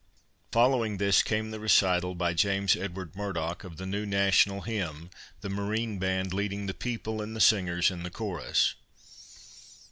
Following this came the recital by James Edward Murdock of the "New National Hymn," the Marine Band leading the people and the singers in the chorus.